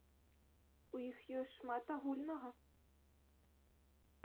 У іх ёсць шмат агульнага.